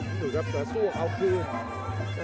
นี่ดูครับเกือบสู้เขาคืน